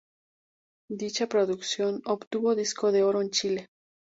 Dicha producción obtuvo Disco de Oro en Chile.